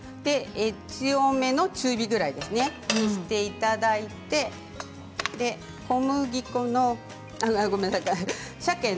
強めの中火ぐらいにしていただいて小麦粉のごめんなさい。